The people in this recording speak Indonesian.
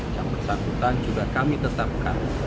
yang bersangkutan juga kami tetapkan